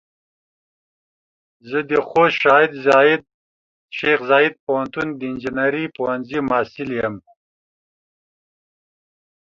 زه د خوست شیخ زايد پوهنتون د انجنیري پوهنځۍ محصل يم.